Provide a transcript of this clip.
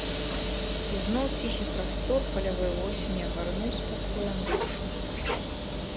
І зноў ціхі прастор палявой восені агарнуў спакоем душу.